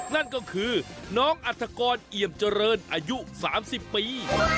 นั่นก็คือน้องอัฐกรเอี่ยมเจริญอายุ๓๐ปี